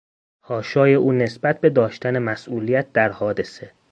حاشای او نسبت به داشتن مسئولیت در حادثه